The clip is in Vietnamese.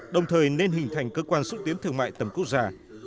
đồng thời nên hình thành cơ quan xúc tiến thương mại tầm quốc gia